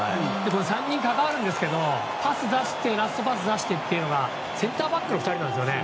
３人関わるんですがラストパスを出してというのがセンターバックの２人なんですよね。